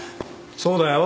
そうだよ。